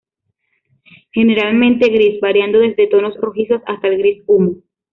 Generalmente gris, variando desde tonos rojizos hasta el gris humo.